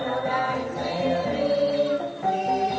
ชาวไทยจังหวายขออย่าล้าเยอร์ในการทำงานนี้